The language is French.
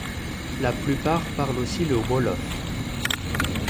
La plupart parlent aussi le wolof.